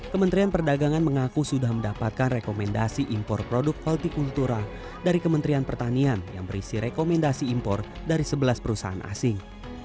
kementerian perdagangan mengaku sudah mendapatkan rekomendasi impor produk holti kultura dari kementerian pertanian yang berisi rekomendasi impor dari sebelas perusahaan asing